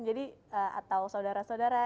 jadi atau saudara saudara